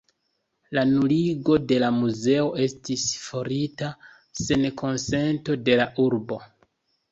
La nuligo de la muzeo estis farita sen konsento de la urbo.